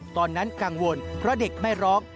ตอนนั้นกังวลเพราะเด็กไม่ร้อง